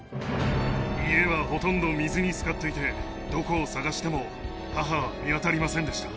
家はほとんど水につかっていて、どこを捜しても、母は見当たりませんでした。